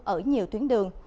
ở nhiều tuyến đường